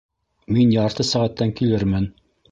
Мин ярты сәғәттән килермен